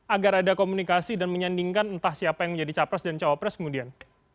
agar ada komunikasi dan menyandingkan entah siapa yang menjadi capres dan cawapres kemudian